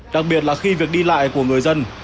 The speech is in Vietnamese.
đặc biệt là khi việc đi lại của người dân